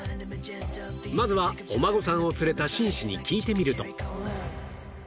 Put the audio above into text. まずはお孫さんを連れた紳士に聞いてみると